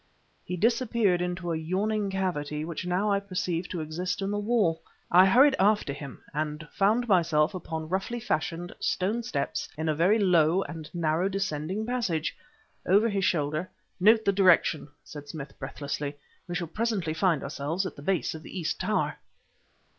He disappeared into a yawning cavity which now I perceived to exist in the wall. I hurried after him, and found myself upon roughly fashioned stone steps in a very low and narrow descending passage. Over his shoulder "Note the direction," said Smith breathlessly. "We shall presently find ourselves at the base of the east tower."